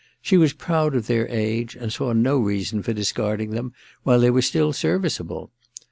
She was proud of their age, and saw no reason for discarding them while they were still serviceable.